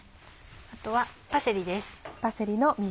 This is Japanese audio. あとはパセリです。